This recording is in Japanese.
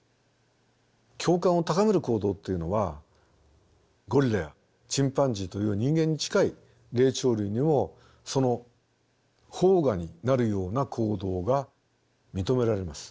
共感を高める行動っていうのはゴリラやチンパンジーという人間に近い霊長類にもそのほう芽になるような行動が認められます。